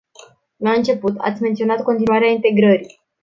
La început, ați menționat continuarea integrării.